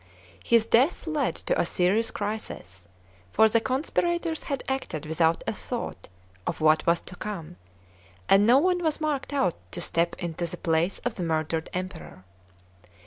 His death led to a serious crisis, for the conspirators had acted without a thought of what was to come, and no one was marki d out to step into the place of the murdered Emperor.